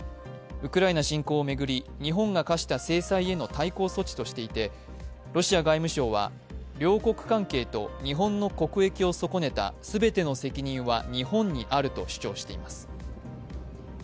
ウクライナ侵攻を巡り、日本が科した制裁への対抗措置としていて、ロシア外務省は両国関係と日本の国益を損ねた全ての責任は日本にあると主張しています。